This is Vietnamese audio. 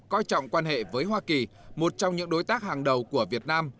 coi trọng quan hệ với hoa kỳ một trong những đối tác hàng đầu của việt nam